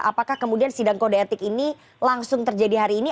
apakah kemudian sidang kode etik ini langsung terjadi hari ini